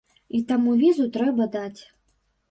І таму візу трэба даць.